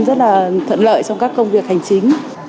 rất là thuận lợi trong các công việc hành chính